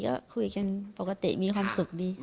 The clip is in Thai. ก็คุยกันปกติมีความสุขดี